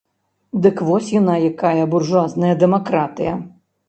Дык вось яна якая, буржуазная дэмакратыя!